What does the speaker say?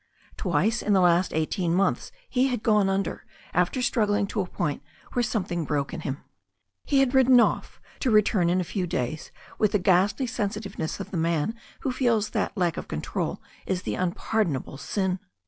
Twice in the last eighteen months he had gone under, after struggling to a point where something broke in him. He had ridden off, to return in a few days with the ghastly sensitiveness of the man who feels that lack of control is the unpardonable sin.